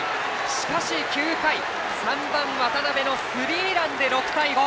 しかし９回、３番、渡邉のスリーランで６対５。